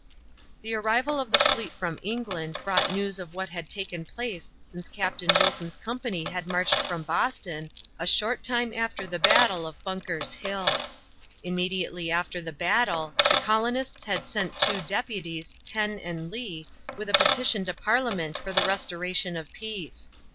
The arrival of the fleet from England brought news of what had taken place since Captain Wilson's company had marched from Boston, a short time after the battle of Bunker's Hill. Immediately after the battle the colonists had sent two deputies, Penn and Lee, with a petition to Parliament for the restoration of peace.